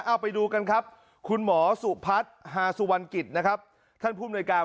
เอาไปดูกันครับคุณหมอสุพัฒน์ฮาสุวรรณกิจนะครับท่านผู้มนวยการ